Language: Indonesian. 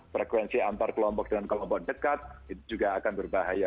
frekuensi antar kelompok dengan kelompok dekat itu juga akan berbahaya